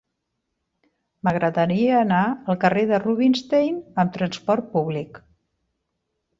M'agradaria anar al carrer de Rubinstein amb trasport públic.